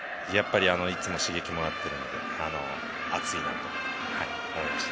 いつも刺激もらってるので熱いなと思いました。